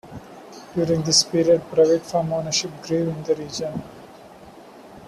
During this period, private farm ownership grew in the region.